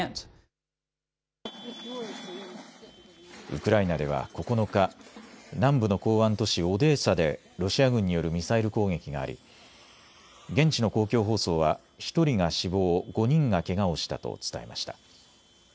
ウクライナでは９日、南部の港湾都市オデーサでロシア軍によるミサイル攻撃があり現地の公共放送は１人が死亡、５人がけがをしたと伝えました。